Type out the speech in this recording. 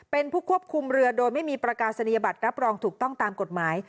เป็นผู้ควบคุมเรือโดยไม่มีประกาศนียบัตรรับรองถูกต้องตามกฎหมาย